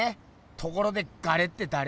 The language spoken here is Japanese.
ところでガレってだれ？